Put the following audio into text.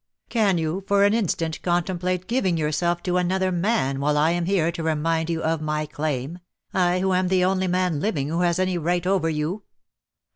Can you for an instant contemplate giving yourself to another man while I am here to remind you of my claim, I who am the only man living who has any right over you?